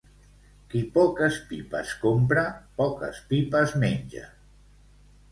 Qui poques pipes compra, poques pipes menja.